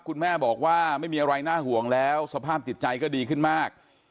คุณแม่บอกว่าไม่มีอะไรน่าห่วงแล้วสภาพจิตใจก็ดีขึ้นมาก